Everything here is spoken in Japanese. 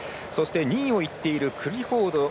２位をいっているクリフォード。